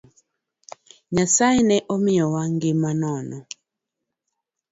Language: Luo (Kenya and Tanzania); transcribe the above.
Nyasaye ne omiyowa ngima nono